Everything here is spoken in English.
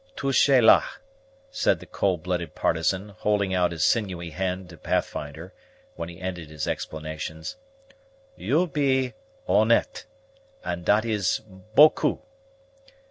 "Touchez la," said the cold blooded partisan, holding out his sinewy hand to Pathfinder, when he ended his explanations; "you be honnete, and dat is beaucoup.